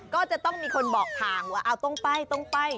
ก็จะต้องมีคนบอกทางว่าตรงไป